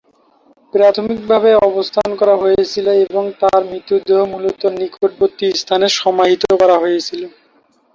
প্রাথমিকভাবে অবস্থান করা হয়েছিল এবং, তার মৃতদেহ মূলত নিকটবর্তী স্থানে সমাহিত করা হয়েছিল।